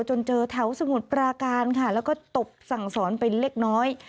จนเจอแถวสมุทรปราการค่ะแล้วก็ตบสั่งสอนเป็นเล็กน้อย